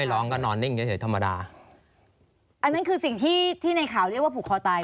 ร้องก็นอนนิ่งเฉยธรรมดาอันนั้นคือสิ่งที่ที่ในข่าวเรียกว่าผูกคอตาย